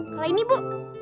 kalau ini bu